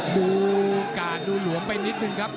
ดูกาดดูหลวมไปนิดนึงครับ